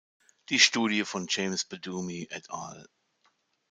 Die Studie von James-Burdumy et al.